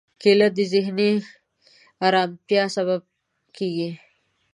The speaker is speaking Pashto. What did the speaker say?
کېله د ذهني ارامتیا سبب کېږي.